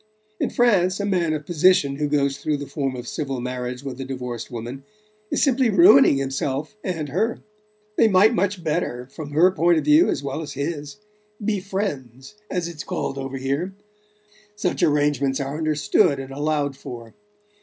In France, a man of position who goes through the form of civil marriage with a divorced woman is simply ruining himself and her. They might much better from her point of view as well as his be 'friends,' as it's called over here: such arrangements are understood and allowed for.